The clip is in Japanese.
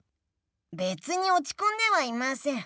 べつにおちこんではいません。